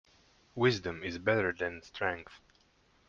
Wisdom is better than strength.